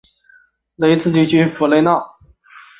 雷茨地区弗雷奈。